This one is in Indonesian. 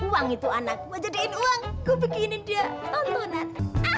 uang itu anak mau jadiin uang bikinin dia tontonan